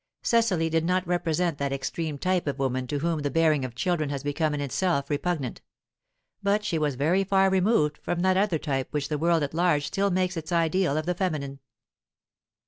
Cecily did not represent that extreme type of woman to whom the bearing of children has become in itself repugnant; but she was very far removed from that other type which the world at large still makes its ideal of the feminine.